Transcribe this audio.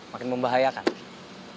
makin membahayakan dia